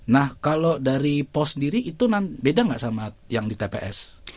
nah kalau dari pos sendiri itu beda nggak sama yang di tps